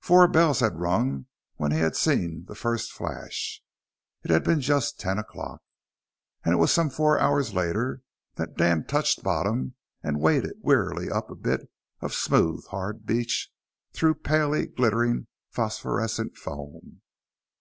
Four bells had rung when he had seen the first flash; it had been just ten o'clock. And it was some four hours later that Dan touched bottom and waded wearily up a bit of smooth hard beach, through palely glittering phosphorescent foam.